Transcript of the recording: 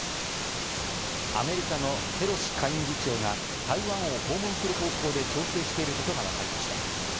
アメリカのペロシ下院議長が台湾を訪問する方向で調整していることがわかりました。